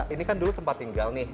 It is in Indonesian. ini kan dulu tempat tinggal nih